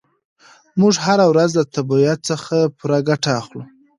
موږ هره ورځ له طبیعت څخه پوره ګټه اخلو.